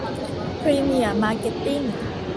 พรีเมียร์ มาร์เก็ตติ้ง